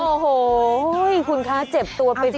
โอ้โหคุณคะเจ็บตัวไปจริง